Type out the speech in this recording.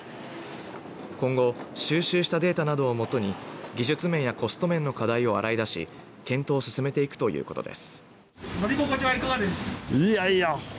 今後、収集したデータなどを基に技術面やコスト面の課題を洗い出し検討を進めていくということです。